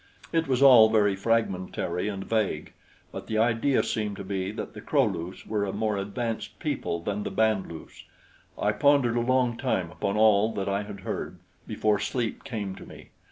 It was all very fragmentary and vague, but the idea seemed to be that the Kro lus were a more advanced people than the Band lus. I pondered a long time upon all that I had heard, before sleep came to me.